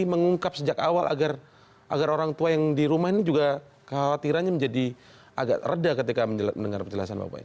mengungkap sejak awal agar orang tua yang di rumah ini juga khawatirannya menjadi agak reda ketika mendengar penjelasan bapak